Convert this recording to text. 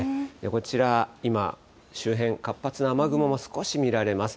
こちら今、周辺、活発な雨雲も少し見られます。